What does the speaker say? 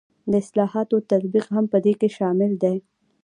د اصلاحاتو تطبیق هم په دې کې شامل دی.